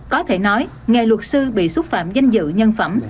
có thể nói nghề luật sư bị xúc phạm danh dự nhân phẩm